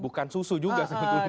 bukan susu juga sebetulnya